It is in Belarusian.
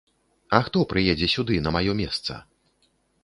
А хто прыедзе сюды на маё месца?